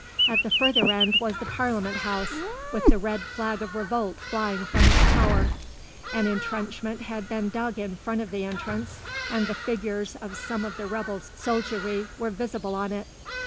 At the further end was the Parliament House, with the red flag of revolt flying from its tower. An entrenchment had been dug in front of the entrance, and the figures of some of the rebel soldiery were visible on it.